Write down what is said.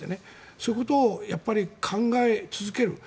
そういうことを考え続ける。